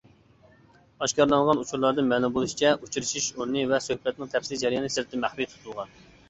ئاشكارىلانغان ئۇچۇرلاردىن مەلۇم بولۇشىچە ئۇچرىشىش ئورنى ۋە سۆھبەتنىڭ تەپسىلىي جەريانى سىرتتىن مەخپىي تۇتۇلغان.